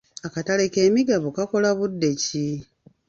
Akatale k'emigabo kakola budde ki?